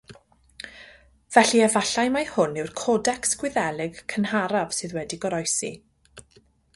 Felly efallai mai hwn yw'r codecs Gwyddelig cynharaf sydd wedi goroesi.